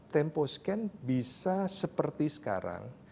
temposcan bisa seperti sekarang